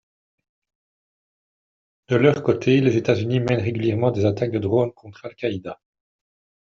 De leurs côtés, les États-Unis mènent régulièrement des attaques de drones contre Al-Qaïda.